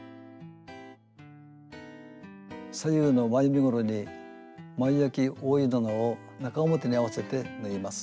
左右の前身ごろに前あき覆い布を中表に合わせて縫います。